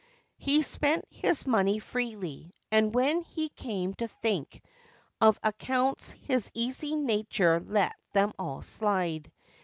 He spent his money freely, and when he came to think of accounts his easy nature let them all slide.